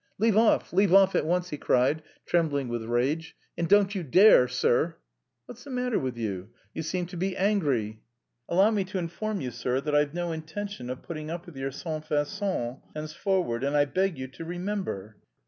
"Leave off, leave off at once!" he cried, trembling with rage. "And don't you dare... sir..." "What's the matter with you? You seem to be angry!" "Allow me to inform you, sir, that I've no intention of putting up with your sans façon henceforward, and I beg you to remember..."